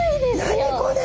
何これ？